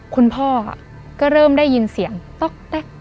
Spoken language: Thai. คุณพ่อก็ได้ยินเสียงต๊อก